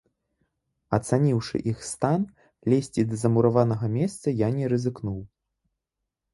Ацаніўшы іх стан, лезці да замураванага месца я не рызыкнуў.